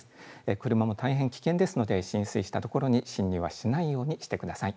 車も大変危険ですので、浸水した所に進入はしないようにしてください。